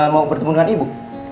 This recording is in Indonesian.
mau bertemu dengan ibu